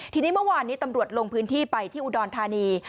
ทีนี้เมื่อวานนี้ตำรวจลงพื้นที่ไปที่อุดรธานี